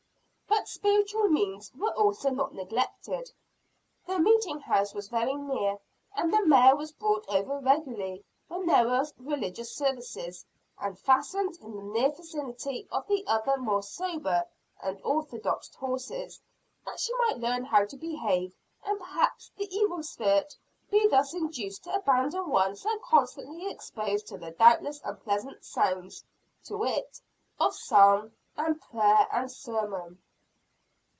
But spiritual means also were not neglected. The meeting house was very near, and the mare was brought over regularly when there were religious services, and fastened in the near vicinity of the other more sober and orthodox horses, that she might learn how to behave and perhaps the evil spirit be thus induced to abandon one so constantly exposed to the doubtless unpleasant sounds (to it) of psalm and prayer and sermon.